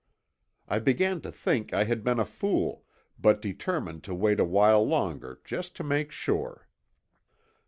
I began to think I had been a fool, but determined to wait a while longer just to make sure.